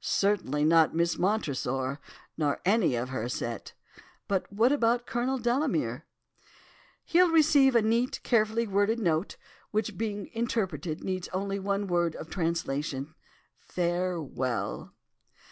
"'Certainly not Miss Montresor, nor any of her set. But what about Colonel Delamere?' "'He'll receive a neat, carefully worded note, which being interpreted, needs only one word of translation, "farewell."